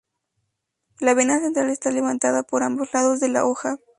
La vena central está levantada por ambos lados de la hoja.